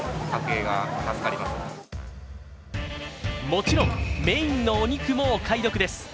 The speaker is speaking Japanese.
もちろん、メーンのお肉もお買い得です。